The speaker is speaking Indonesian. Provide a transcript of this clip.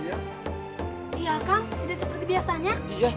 iya kang tidak seperti biasanya